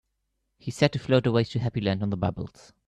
He said to float away to Happy Land on the bubbles.